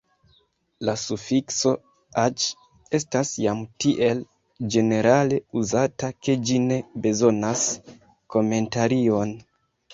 La sufikso _aĉ_ estas jam tiel ĝenerale uzata, ke ĝi ne bezonas komentarion.